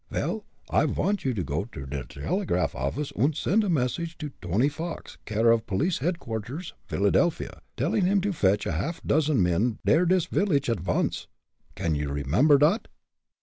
"Vel, I vant you to go to der delegraph office und send a message to Tony Fox, care of Police Headquarters, Philadelphia, telling him to fetch a half dozen men der dis village at once. Can you remember dot?"